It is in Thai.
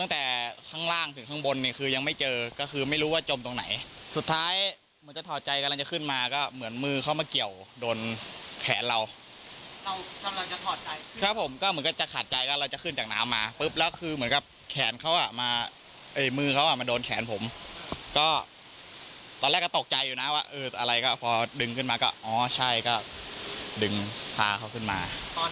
ก็ตอนแรกก็ตกใจอยู่นะว่าอะไรก็พอดึงขึ้นมาก็อ๋อใช่ก็ดึงพาเขาขึ้นมา